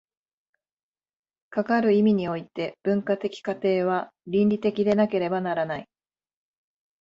かかる意味において、文化的過程は倫理的でなければならない。